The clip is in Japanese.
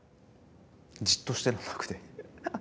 じっとしてられなくて。